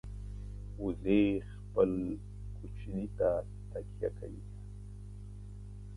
وزې خپل کوچني ته تکیه کوي